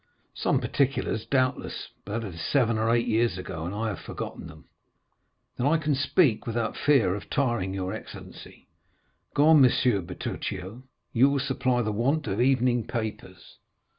"Some particulars, doubtless, but that is seven or eight years ago, and I have forgotten them." "Then I can speak without fear of tiring your excellency." "Go on, M. Bertuccio; you will supply the want of the evening papers."